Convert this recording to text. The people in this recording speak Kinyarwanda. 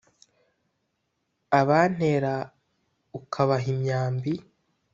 abantera ukabaha imyambi.